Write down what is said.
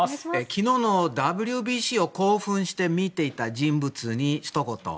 昨日のＷＢＣを興奮してみていた人物にひと言。